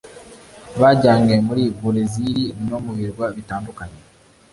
bajyanywe muri Burezili no mu birwa bitandukanye